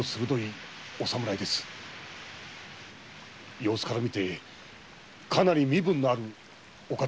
様子からみてかなり身分のあるお方だと。